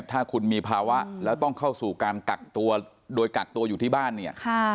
ถ้าคุณมีภาวะแล้วต้องเข้าสู่การกักตัวโดยกักตัวอยู่ที่บ้านเนี่ย